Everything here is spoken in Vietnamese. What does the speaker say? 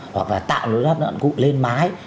hoặc là tạo lối thoát nạn phụ lên mái